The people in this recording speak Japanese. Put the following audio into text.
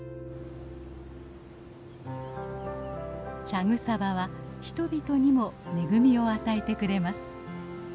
茶草場は人々にも恵みを与えてくれます。